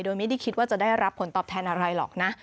โดยไม่ได้คิดว่าจะได้รับผลตอบแทนอะไรหรอกนะ